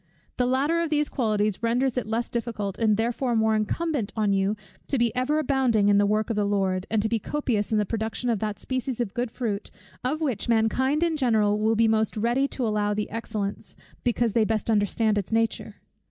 The latter of these qualities renders it less difficult, and therefore more incumbent on you, to be ever abounding in the work of the Lord; and to be copious in the production of that species of good fruit, of which mankind in general will be most ready to allow the excellence, because they best understand its nature.